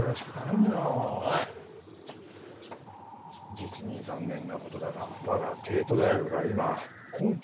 実に残念なことだが我が帝都大学は今困窮してる。